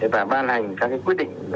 và ban hành các quyết định